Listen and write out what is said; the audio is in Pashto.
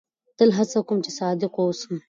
تل هڅه کوم، چي صادق واوسم.